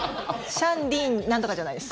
シャンリンなんとかじゃないです。